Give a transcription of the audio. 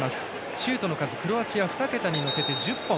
シュートの数、クロアチア２桁にのせて１０本。